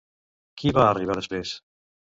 Qui va arribar després?